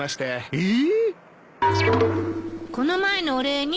えっ？